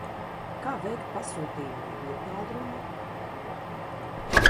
Kā veikt pasūtījumu no viedtālruņa?